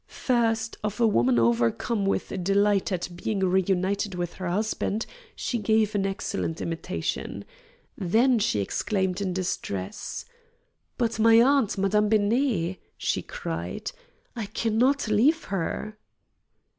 First, of a woman overcome with delight at being reunited with her husband she gave an excellent imitation; then she exclaimed in distress: "But my aunt, Madame Benet!" she cried. "I cannot leave her!"